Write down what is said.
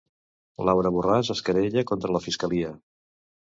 Laura Borràs es querella contra la fiscalia